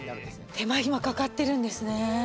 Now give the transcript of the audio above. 手間暇かかってるんですね。